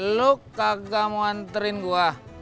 lo kagetan mau anterin gue